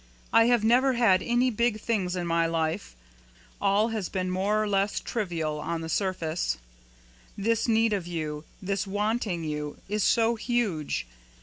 I have never had any big things in my life; all has been more or less trivial on the surface. This need of you this wanting you is so huge.